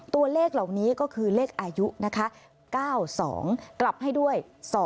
ตัวเลขเหล่านี้ก็คือเลขอายุนะคะ๙๒กลับให้ด้วย